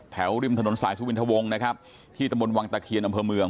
ริมถนนสายสุวินทะวงนะครับที่ตำบลวังตะเคียนอำเภอเมือง